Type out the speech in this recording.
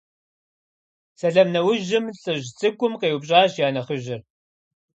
Сэлам нэужьым лӀыжь цӀыкӀум къеупщӀащ я нэхъыжьыр.